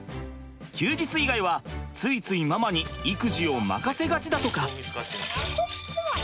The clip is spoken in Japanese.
休日以外はついついママに育児を任せがちだとか。